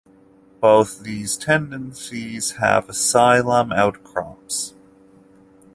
Both these tendencies have asylum outcrops.